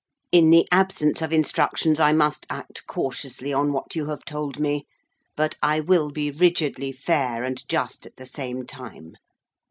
In the absence of instructions I must act cautiously on what you have told me; but I will be rigidly fair and just at the same time.